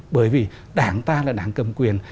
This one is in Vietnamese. bởi vì đảng ta là đảng cầm quyền